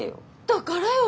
だからよ。